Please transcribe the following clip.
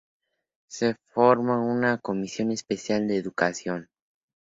Se forma una comisión especial de educación.